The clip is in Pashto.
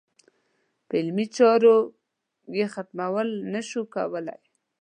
په علمي لارو چارو یې ختمول نه شوای کولای.